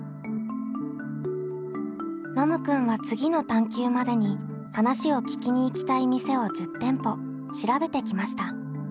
ノムくんは次の探究までに話を聞きに行きたい店を１０店舗調べてきました。